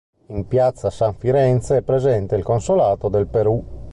In piazza San Firenze è presente il consolato del Perù.